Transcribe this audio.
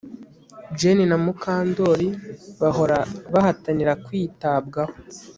Jane na Mukandoli bahora bahatanira kwitabwaho